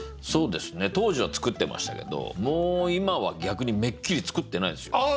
そうですね当時は作ってましたけどもう今は逆にめっきり作ってないですよ。